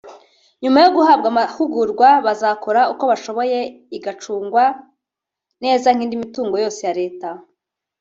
nyuma yo guhabwa amahugurwa bazakora uko bashoboye igacungwa neza nk’indi mitungo yose ya Leta